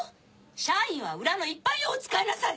社員は裏の一般用を使いなさい！